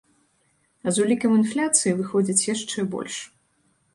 А з улікам інфляцыі, выходзіць, яшчэ больш.